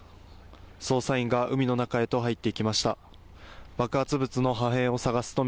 捜査員が海の中へと入っていきました。